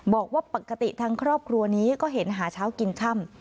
บอกว่าปกติทางครอบครัวนี้ก็เห็นหาเช้ากินค่ำ